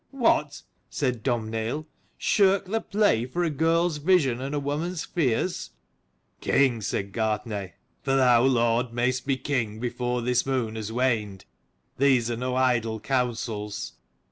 "What!" said Domhnaill, "shirk the play for a girl's vision and a woman's fears? " "King," said Gartnaidh, "for thou, lord, may's! be king before this moon has waned, these are no idle counsels.